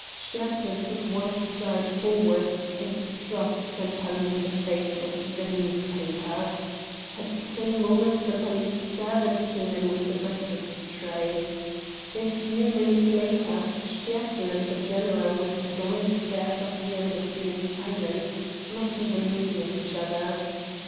Sterzl took one stride forward and struck Sempaly in the face with the newspaper. At the same moment Sempaly's servant came in with the breakfast tray. A few minutes later Sterzl and the general went down the stairs of the embassy in silence, not even looking at each other.